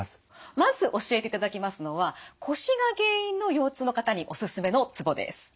まず教えていただきますのは腰が原因の腰痛の方にオススメのツボです。